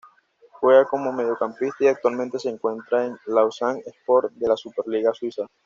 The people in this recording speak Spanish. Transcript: Juega como Mediocampista y actualmente se encuentra en Lausanne-Sport de la Super Liga Suiza.